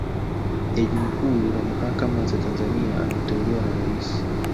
jaji mkuu wa mahakama za tanzania anateuliwa na rais